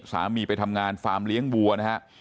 สามีไปทำงานฟาร์มเลี้ยงวัวนะฮะ